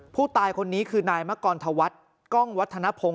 ผู้ตายคนนี้คือนายมะกรธวัฒน์กล้องวัฒนภงศ